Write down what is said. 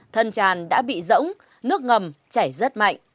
thân tràn đã bị rỗng nước ngầm chảy rất mạnh